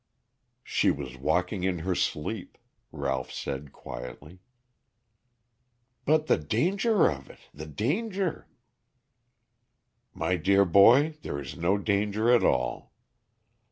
"She was walking in her sleep," Ralph said quietly. "But the danger of it, the danger!" "My dear boy, there is no danger at all.